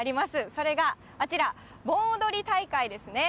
それがあちら、盆踊り大会ですね。